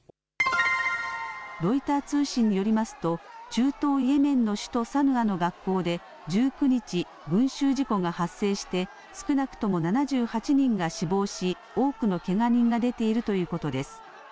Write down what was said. ロイター通信によりますと中東イエメンの首都サヌアの学校で１９日、群集事故が発生して少なくとも７８人が死亡し多くのけが人が出ているということです。